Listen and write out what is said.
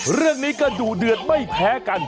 เรื่องนี้ก็ดูเดือดไม่แพ้กัน